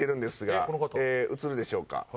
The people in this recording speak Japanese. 映るでしょうか？